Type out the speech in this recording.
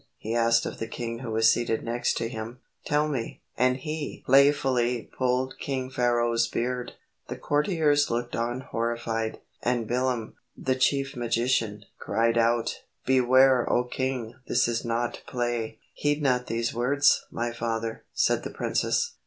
he asked of the king who was seated next to him. "Tell me," and he playfully pulled King Pharaoh's beard. The courtiers looked on horrified, and Bilam, the chief magician, cried out, "Beware, O king, this is not play." "Heed not these words, my father," said the princess.